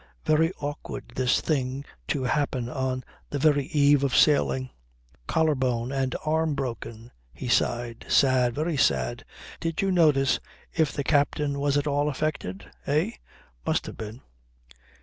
Very awkward this thing to happen on the very eve of sailing. "Collar bone and arm broken," he sighed. "Sad, very sad. Did you notice if the captain was at all affected? Eh? Must have been."